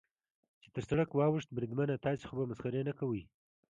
چې تر سړک واوښت، بریدمنه، تاسې خو به مسخرې نه کوئ.